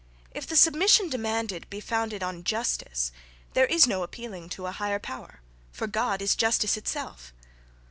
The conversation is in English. If the submission demanded be founded on justice there is no appealing to a higher power for God is justice itself.